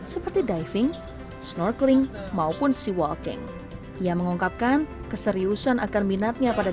seperti diving snorkeling maupun sea walking ia mengungkapkan keseriusan akan minatnya pada